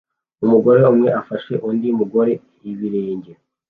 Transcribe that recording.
Umugore umwe afasha undi mugore ibirenge